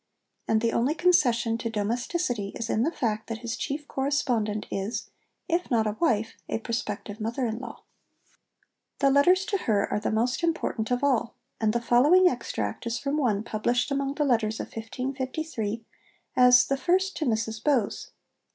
And the only concession to domesticity is in the fact that his chief correspondent is, if not a wife, a prospective mother in law. The letters to her are the most important of all, and the following extract is from one published among the letters of 1553 as 'The First to Mrs Bowes.'